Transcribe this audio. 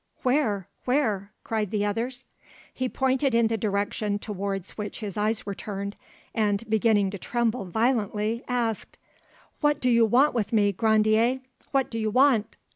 "Where? where?" cried the others. He pointed in the direction towards which his eyes were turned, and beginning to tremble violently, asked— "What do you want with me, Grandier? What do you want?"